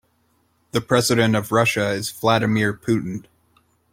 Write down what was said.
The president of Russia is Vladimir Putin.